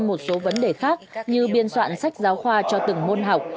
một số vấn đề khác như biên soạn sách giáo khoa cho từng môn học